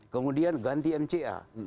kemudian ganti mca